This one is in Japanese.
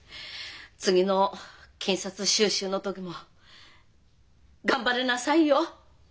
次の検察修習の時も頑張りなさいよ。